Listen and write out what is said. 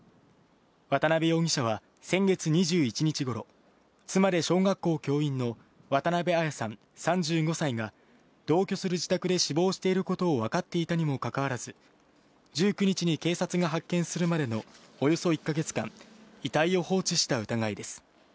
渡辺容疑者は先月２１日ごろ、妻で小学校教員の渡辺彩さん３５歳が、同居する自宅で死亡していることを分かっていたにもかかわらず、１９日に警察が発見するまでのおよそ１か月間、遺体を放置した疑いです。